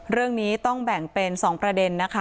เรื่องนี้ต้องแบ่งเป็น๒ประเด็นนะคะ